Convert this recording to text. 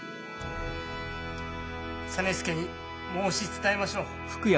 実資に申し伝えましょう。